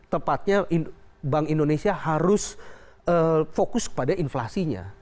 tepatnya bank indonesia harus fokus kepada inflasinya